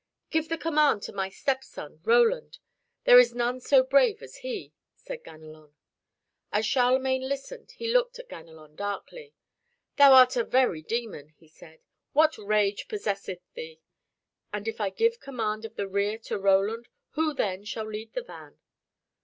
"Give the command to my stepson, Roland, there is none so brave as he," said Ganelon. As Charlemagne listened he looked at Ganelon darkly. "Thou art a very demon," he said. "What rage possesseth thee? And if I give command of the rear to Roland, who, then, shall lead the van?"